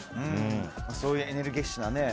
そういうエネルギッシュな。